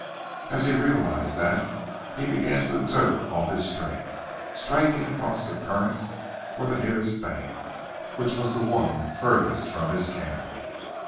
As he realized that, he began to exert all his strength, striking across the current for the nearest bank, which was the one furthest from his camp.